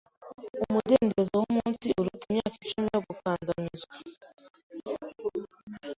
Umudendezo wumunsi uruta imyaka icumi yo gukandamizwa.